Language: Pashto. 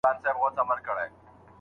که ته په صنف کي خاموش اوسې.